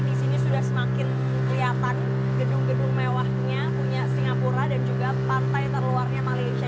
di sini sudah semakin kelihatan gedung gedung mewahnya punya singapura dan juga pantai terluarnya malaysia